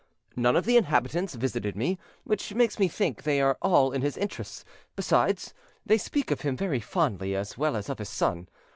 "None of the inhabitants visited me, which makes me think they are all in his interests; besides, they speak of him very favourably, as well as of his son.